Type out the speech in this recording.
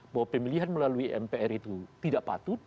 bahwa pemilihan melalui mpr itu tidak patut